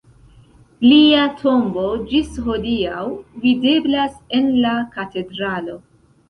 Lia tombo ĝis hodiaŭ videblas en la katedralo.